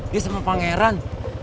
dia sama pangeran